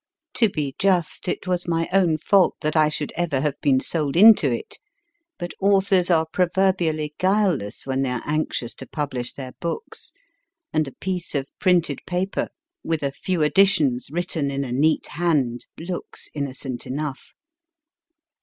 To be just, it was my own fault that I should ever have been sold into it, but authors are proverbially guileless when they are anxious to publish their books, and a piece of printed paper with a THE FARM few additions written in a neat hand looks innocent enough.